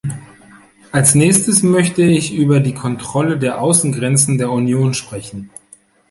Als nächstes möchte ich über die Kontrolle der Außengrenzen der Union sprechen.